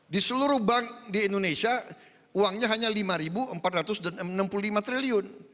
di seluruh bank di indonesia uangnya hanya rp lima empat ratus enam puluh lima triliun